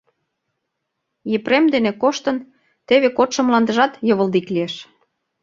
Епрем дене коштын, теве кодшо мландыжат йывылдик лиеш.